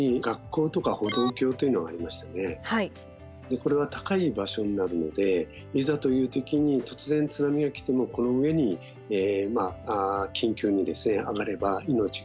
これは高い場所になるのでいざという時に突然津波が来てもこの上に緊急に上がれば命が助かる。